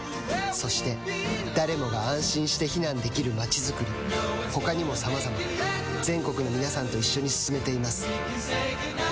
そして誰もが安心して避難できる街づくり他にもさまざま全国の皆さんと一緒に進めています